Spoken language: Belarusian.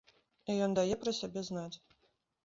І ён дае пра сябе знаць.